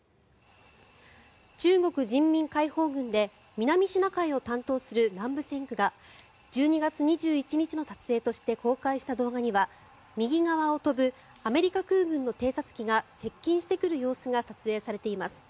中国人民解放軍で南シナ海を担当する南部戦区が１２月２１日の撮影として公開した動画には右側を飛ぶアメリカ空軍の偵察機が接近してくる様子が撮影されています。